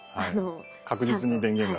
確実に電源が。